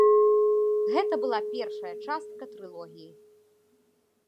Гэта была першая частка трылогіі.